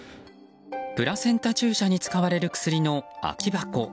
プラセンタ注射に使われる薬の空き箱。